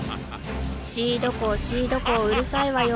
シード校シード校うるさいわよ。